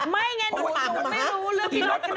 ไม่ไงหนูไม่รู้เรื่องพี่โรดขนาดนั้น